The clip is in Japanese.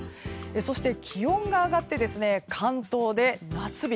そして気温が上がって関東で夏日。